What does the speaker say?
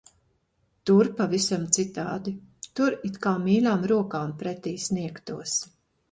Tur pavisam citādi. Tur it kā mīļām rokām pretī sniegtos.